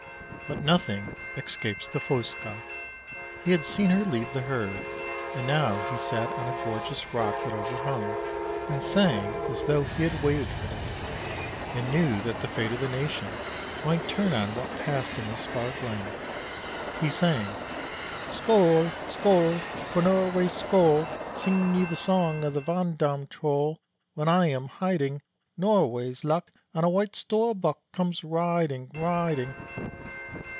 But nothing escapes the Fossekal. He had seen her leave the herd, and now he sat on a gorgeous rock that overhung, and sang as though he had waited for this and knew that the fate of the nation might turn on what passed in this far glen. He sang: Skoal! Skoal! For Norway Skoal! Sing ye the song of the Vand dam troll. When I am hiding Norway's luck On a White Storbuk Comes riding, riding.